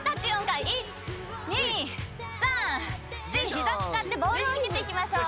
ヒザ使ってボールをうけていきましょう。